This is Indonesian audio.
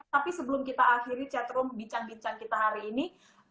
tapi sebelum kita akhiri chatroom bincang bincang kita hari ini